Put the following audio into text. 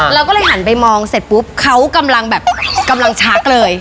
เราก็เลยหันไปมองเสร็จปุ๊บเขากำลังแบบกำลังชักเลย